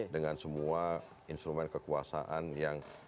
dengan semua instrumen kekuasaan yang